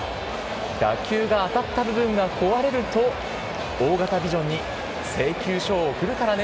打球が当たった部分が壊れると、大型ビジョンに請求書を送るからね！